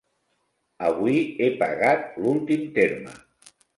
Avui he pagat l'últim terme.